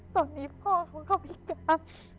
ตอนนี้พ่อเขาก็พิการ